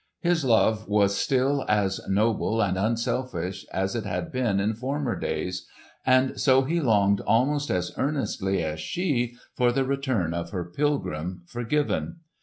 His love was still as noble and unselfish as it had been in former days, and so he longed almost as earnestly as she for the return of her pilgrim, forgiven.